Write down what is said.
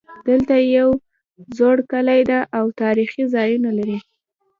دلته یو زوړ کلی ده او تاریخي ځایونه لري